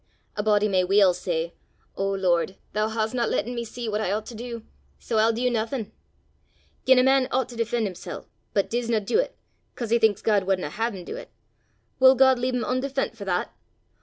A body may weel say, 'O Lord, thoo hasna latten me see what I oucht to du, sae I'll du naething!' Gien a man oucht to defen' himsel', but disna du 't, 'cause he thinks God wadna hae him du 't, wull God lea' him oondefent for that?